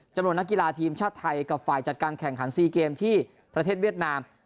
นักกีฬาทีมชาติไทยกับฝ่ายจัดการแข่งขันซีเกมที่ประเทศเวียดนาม